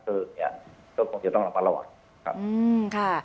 ก็คงจะต้องรับประวัติ